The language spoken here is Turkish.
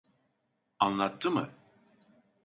Anlattı mı?